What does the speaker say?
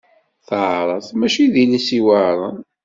Taɛṛabt maci d iles iweɛṛen.